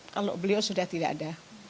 kalau beliau sudah tidak ada